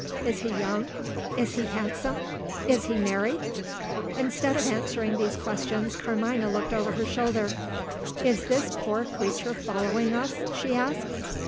Is he young? is he handsome? is he married?" Instead of answering these questions, Carmina looked over her shoulder. "Is this poor creature following us?" she asked.